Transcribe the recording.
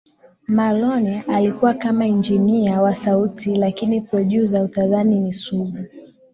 Marlone alikuwa kama injinia wa sauti lakini prodyuza utadhani ni Sugu